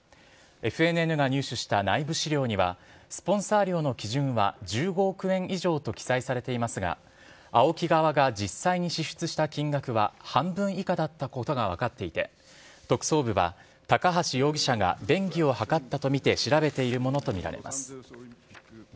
ＦＮＮが入手した内部資料にはスポンサー料の基準は１５億円以上と記載されていますがＡＯＫＩ側が実際に支出した金額は半分以下だったことが分かっていて特捜部は高橋容疑者が便宜を図ったとみて調べているものとみられます。